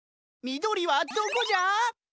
みどりはどこじゃ？